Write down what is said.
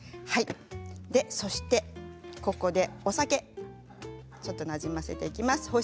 そして、ここでお酒、なじませていきます。